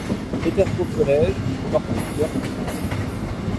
Petersburg College où il porte les couleurs des Titans.